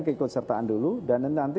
keikutsertaan dulu dan nanti